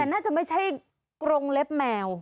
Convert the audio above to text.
น่าจะไม่ใช่กรงเล็บแมว